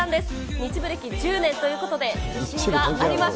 日舞歴１０年ということで、自信があります。